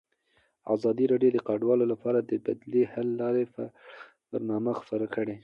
ازادي راډیو د کډوال لپاره د بدیل حل لارې په اړه برنامه خپاره کړې.